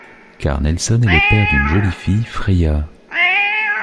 Car Nelson est le père d'une jolie fille, Freya...